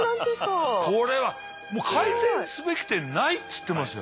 これは改善すべき点ないって言ってますよ。